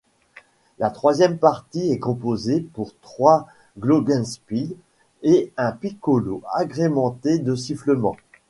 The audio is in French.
La troisième partie est composée pour trois glockenspiels et un piccolo agrémentée de sifflements.